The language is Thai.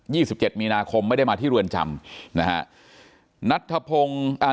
สิบเจ็ดมีนาคมไม่ได้มาที่เรือนจำนะฮะนัทธพงศ์อ่า